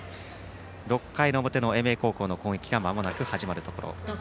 ６回の表の英明高校の攻撃がまもなく始まるところ。